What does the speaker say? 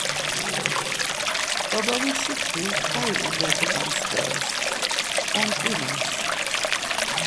Babamuşikti xai ubecğams beres, omt̆inams.